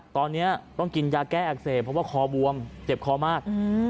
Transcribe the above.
ตอนนี้ต้องกินยาแก้อักเสบเพราะว่าคอบวมเจ็บคอมาก